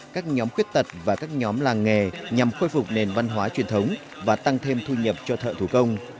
các nhóm khuyết tật và các nhóm làng nghề nhằm khôi phục nền văn hóa truyền thống và tăng thêm thu nhập cho thợ thủ công